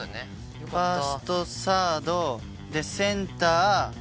ファーストサードセンター。